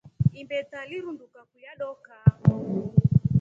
Imbeta lirunduka kulya dooka.